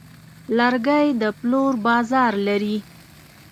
لرګی د پلور بازار لري.